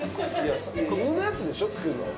犬のやつでしょ、作るの。